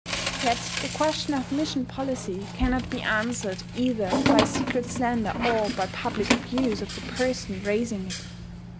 Yet the question of mission policy cannot be answered either by secret slander or by public abuse of the person raising it.